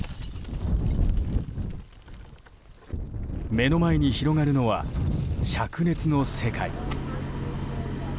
目の前に広がるのは灼熱の世界。